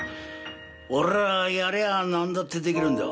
俺はやりゃ何だってできるんだ。